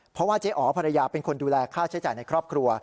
เพราะว่าเจ๊อ๋อภรรยาเป็นคนดูแลค่าใช้จ่ายในครอบครัว